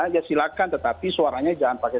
ya silakan tetapi suaranya jangan pakai